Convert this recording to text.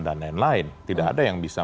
lain lain tidak ada yang bisa